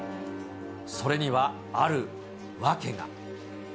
それにはある訳が。